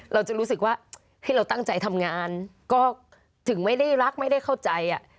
เราจะรู้สึกว่าเราตั้งใจทำงานก็ถึงไม่ได้รักไม่ได้เข้าใจ